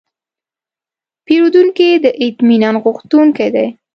پیرودونکی د اطمینان غوښتونکی دی.